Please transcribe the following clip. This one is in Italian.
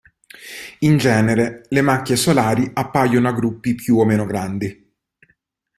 In genere le macchie solari appaiono a gruppi più o meno grandi.